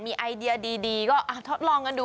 มีไอเดียดีก็ทดลองกันดู